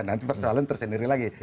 nanti persoalan tersendiri lagi